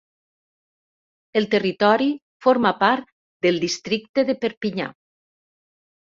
El territori forma part del districte de Perpinyà.